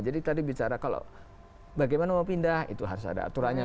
jadi tadi bicara kalau bagaimana mau pindah itu harus ada aturannya